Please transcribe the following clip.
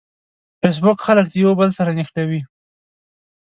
فېسبوک خلک د یوه بل سره نښلوي.